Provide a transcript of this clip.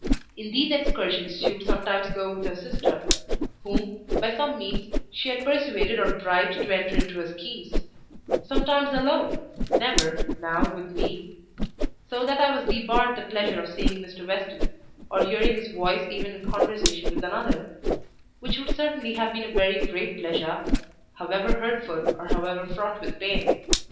In these excursions she would sometimes go with her sister—whom, by some means, she had persuaded or bribed to enter into her schemes—sometimes alone, never, now, with me; so that I was debarred the pleasure of seeing Mr. Weston, or hearing his voice even in conversation with another: which would certainly have been a very great pleasure, however hurtful or however fraught with pain.